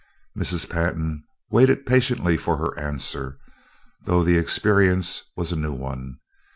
Mrs. Pantin waited patiently for her answer, though the experience was a new one.